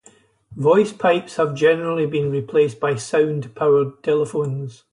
Voice pipes have generally been replaced by sound powered telephones.